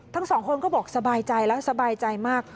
ทั้งสองคนก็บอกสบายใจแล้วสบายใจมาก